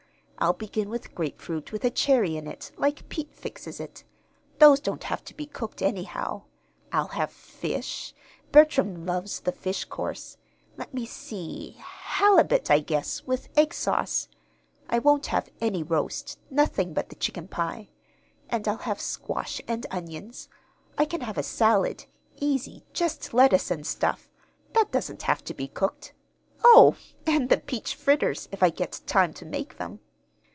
I'll begin with grapefruit with a cherry in it, like Pete fixes it. Those don't have to be cooked, anyhow. I'll have fish Bertram loves the fish course. Let me see, halibut, I guess, with egg sauce. I won't have any roast; nothing but the chicken pie. And I'll have squash and onions. I can have a salad, easy just lettuce and stuff. That doesn't have to be cooked. Oh, and the peach fritters, if I get time to make them.